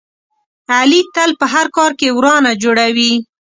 علي تل په هر کار کې ورانه جوړوي.